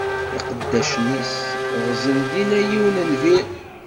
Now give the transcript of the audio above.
Iqeddacen-is ɣzen dinna yiwen n lbir.